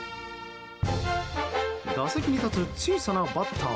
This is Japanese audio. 打席に立つ小さなバッター。